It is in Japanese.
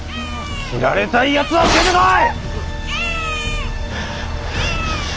斬られたいやつは出てこい！